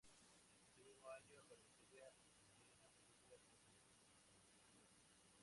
Ese mismo año aparecería en la película "The Great Mint Swindle".